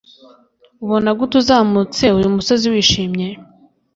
Ubona gute uzamutse uyu musozi wishimye